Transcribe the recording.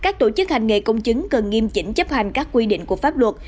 các tổ chức hành nghề công chứng cần nghiêm chỉnh chấp hành các quy định của pháp luật